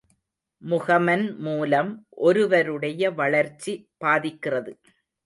முகமன் மூலம் ஒருவருடைய வளர்ச்சி பாதிக்கிறது.